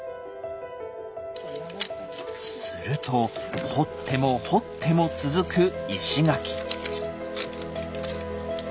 すると掘っても掘っても続く石垣。